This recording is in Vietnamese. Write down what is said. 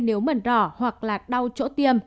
nếu mẩn rỏ hoặc là đau chỗ tiêm